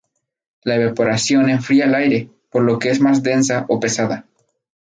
La evaporación enfría el aire, por lo que es más densa o "pesada".